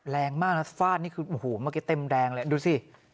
แรงมากนะฟาดนี่คือโอ้โหเมื่อกี้เต็มแรงเลยดูสิ